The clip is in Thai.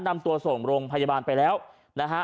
นำตัวส่งโรงพยาบาลไปแล้วนะฮะ